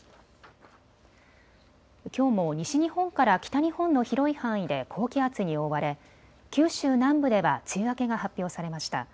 きょうも西日本から北日本の広い範囲で高気圧に覆われ九州南部では梅雨明けが発表されました。